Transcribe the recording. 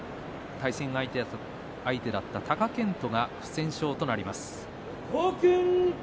対戦相手の貴健斗が不戦勝となります。